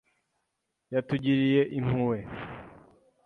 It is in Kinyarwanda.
Yatugiriye impuhwe .